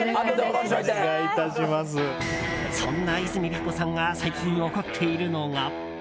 そんな泉ピン子さんが最近怒っているのが。